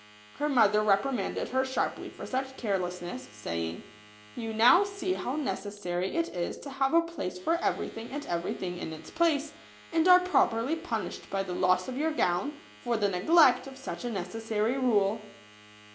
Her mother reprimanded her sharply for such care lessness, saying, " You now see how necessary it is to have a place for every thing and every thing in its place, and are properly punished by the loss of your gown for the neglect of such a necessary rule."